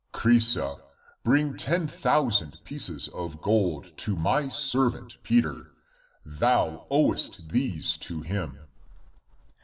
ACTS OF PETER IO7 thousand pieces of gold to my servant Peter; thou owest these to him.